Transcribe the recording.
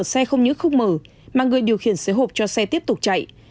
xe không những không mở mà người điều khiển xe hộp cho xe tiếp tục chạy